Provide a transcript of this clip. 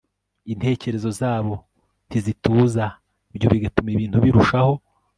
Intekerezo zabo ntizituza ibyo bigatuma ibintu birushaho